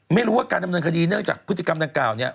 ไม่รู้ว่าการดำเนินคดีเนื่องจากพฤติกรรมดังกล่าวเนี่ย